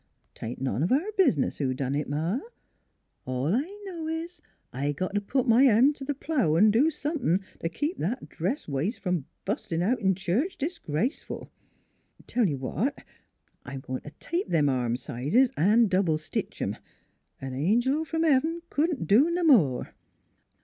" 'Tain't none of our bizniz who done it, Ma. All I know is I've got t' put my hand t' th' plough an' do somethin' t' keep that dress wai st from bustin' out NEIGHBORS 53 in church disgraceful. Tell you what, I'm goin' t' tape them arm sizes an' double stitch 'em. An angel f'om heaven couldn't do no more."